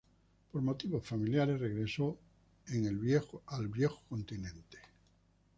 Por motivos familiares regresó a en el viejo continente.